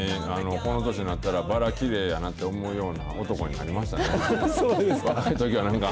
この年になったらバラきれいやなって思えるような男になりましたそうですか。